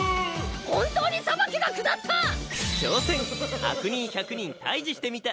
本当に裁きが下った！